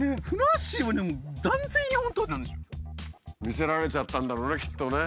魅せられちゃったんだろうねきっとね。